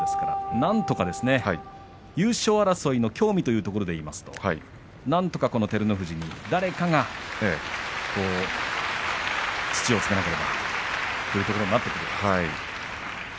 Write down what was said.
なんとか優勝争いの興味というところでなんとか照ノ富士に誰かが土をつけなければというところになってくると思います。